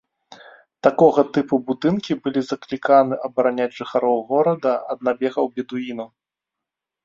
Такога тыпу будынкі былі закліканы абараняць жыхароў горада ад набегаў бедуінаў.